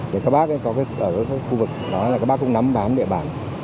các bác ở các khu vực đó là các bác cũng nắm bám địa bàn